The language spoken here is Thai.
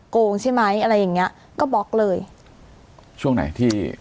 โกงใช่ไหมอะไรอย่างเงี้ยก็บล็อกเลยช่วงไหนที่